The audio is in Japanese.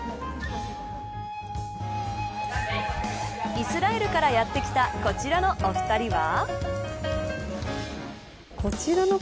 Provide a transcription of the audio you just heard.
イスラエルからやって来たこちらのお二人は。